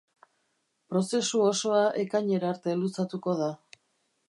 Prozesu osoa ekainera arte luzatuko da.